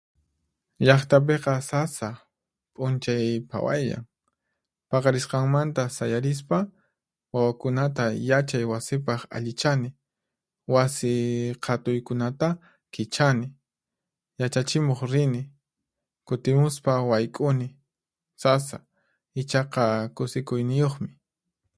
Llaqtapiqa sasa, p'unchay phawayllan. Paqarisqanmanta sayarispa, wawakunata yachay wasipaq allichani, wasi qhatuykunata kichani, yachachimuq rini, kutimuspa wayk'uni. Sasa, ichaqa kusikuyniyuqmi.